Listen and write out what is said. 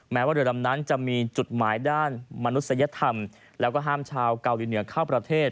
ว่าเรือดำนั้นจะมีจุดหมายด้านมนุษยธรรมแล้วก็ห้ามชาวเกาหลีเหนือเข้าประเทศ